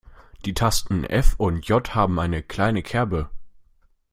Die Tasten F und J haben eine kleine Kerbe.